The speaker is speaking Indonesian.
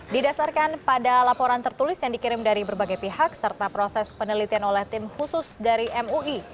didasarkan pada laporan tertulis yang dikirim dari berbagai pihak serta proses penelitian oleh tim khusus dari mui